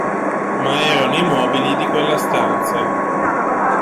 Ma erano i mobili di quella stanza.